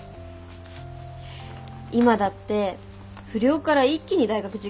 今だって不良から一気に大学受験でしょ？